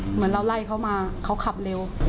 เหมือนเราไล่เขามาเขาขับเร็ว